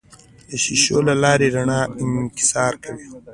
د شیشو له لارې رڼا انکسار کوي.